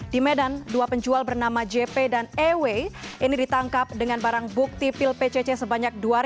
di medan dua penjual bernama jp dan ewe ini ditangkap dengan barang bukti pil pcc sebanyaknya